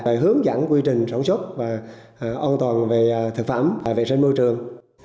và hướng dẫn quy trình sống sốt và an toàn về thực phẩm và vệ sinh môi trường